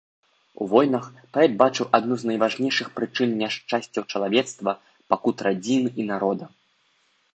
У войнах паэт бачыў адну з найважнейшых прычын няшчасцяў чалавецтва, пакут радзімы і народа.